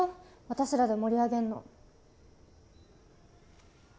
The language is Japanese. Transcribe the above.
私らで盛り上げんの。